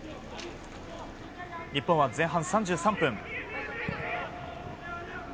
日本は前半３３分。